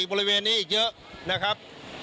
บริเวณนี้อีกเยอะนะครับ